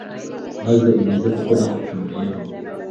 maze unkize kuko nagucumuyeho»